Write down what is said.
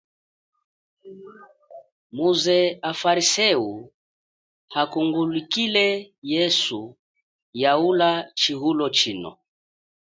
Muze afarisewu akungulukile yesu yahula chihulo chino.